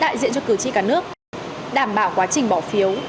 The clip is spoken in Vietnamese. các đại biểu quốc hội sẽ đại diện cho cử tri cả nước đảm bảo quá trình bỏ phiếu